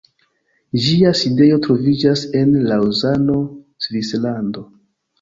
Ĝia sidejo troviĝas en Laŭzano, Svislando.